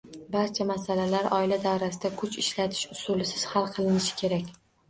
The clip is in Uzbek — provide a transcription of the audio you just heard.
Barcha masalalar oila davrasida kuch ishlatish usulisiz hal qilinishi kerak.